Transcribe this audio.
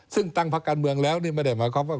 ซึ่งตั้งพักการเมืองแล้วนี่ไม่ได้หมายความว่า